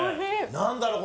何だろう？